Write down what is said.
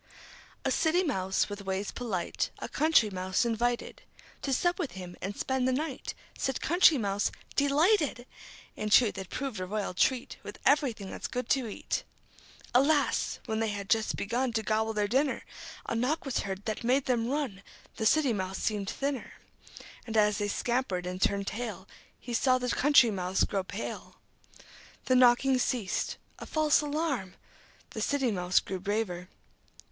A City Mouse, with ways polite, A Country Mouse invited To sup with him and spend the night. Said Country Mouse: "De lighted!" In truth it proved a royal treat, With everything that's good to eat. Alas! When they had just begun To gobble their dinner, A knock was heard that made them run. The City Mouse seemed thinner. And as they scampered and turned tail, He saw the Country Mouse grow pale. The knocking ceased. A false alarm! The City Mouse grew braver.